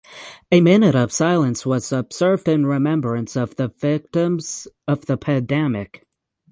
A minute of silence was observed in remembrance of the victims of the pandemic.